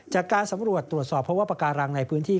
จากการสำรวจตรวจสอบเพราะว่าปากการังในพื้นที่